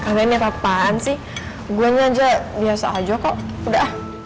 ih katanya ini apaan sih gue aja biasa aja kok udah ah